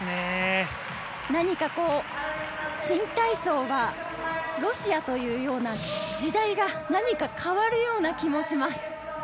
何か新体操はロシアというような時代が変わるような気もします。